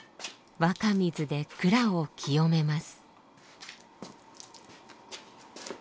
若水で蔵を清めます。